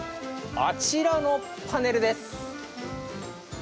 あちらのパネルです。